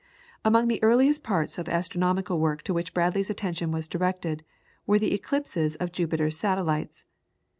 Among the earliest parts of astronomical work to which Bradley's attention was directed, were the eclipses of Jupiter's satellites.